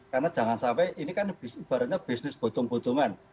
karena jangan sampai ini kan ibaratnya bisnis botong botongan